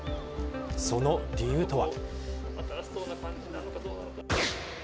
その理由とは。